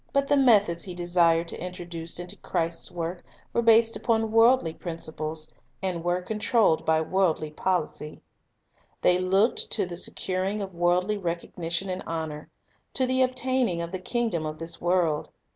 But the methods he desired to introduce into Christ's work were based upon worldly principles and were controlled by worldly policy. They looked to the securing of worldly recognition and honor, — to the obtaining of the kingdom of this world.